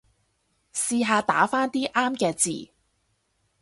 試下打返啲啱嘅字